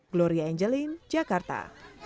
gloria angelin jakarta